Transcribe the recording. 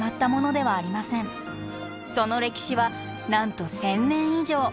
その歴史はなんと１，０００年以上。